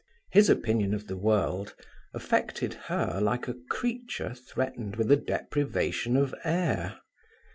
His opinion of the world affected her like a creature threatened with a deprivation of air.